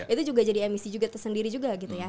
itu juga jadi emisi juga tersendiri juga gitu ya